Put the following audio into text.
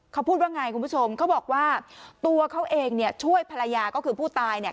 เขาพูดว่าไงคุณผู้ชมเขาบอกว่าตัวเขาเองเนี่ยช่วยภรรยาก็คือผู้ตายเนี่ย